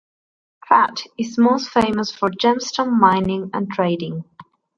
Trat is most famous for gemstone mining and trading.